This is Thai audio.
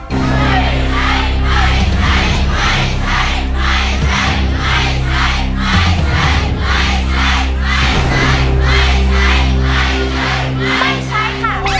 ไม่ใช่